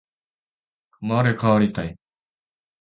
生まれ変わりたい